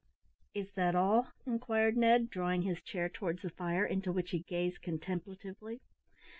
'" "Is that all?" inquired Ned, drawing his chair towards the fire, into which he gazed contemplatively.